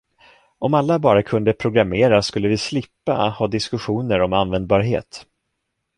Om alla bara kunde programmera skulle vi slippa ha diskussioner om användbarhet